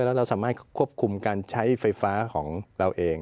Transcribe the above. แล้วเราสามารถควบคุมการใช้ไฟฟ้าของเราเอง